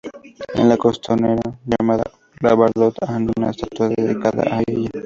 En la costanera, llamada Orla Bardot, hay una estatua dedicada a ella.